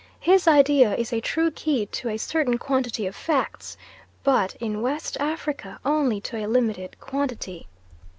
His idea is a true key to a certain quantity of facts, but in West Africa only to a limited quantity.